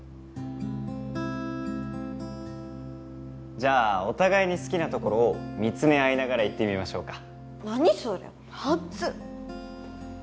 じゃあお互いに好きなところを見つめ合いながら言ってみましょうか何それはっず！